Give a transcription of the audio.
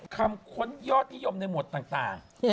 ค้นยอดนิยมในหมวดต่าง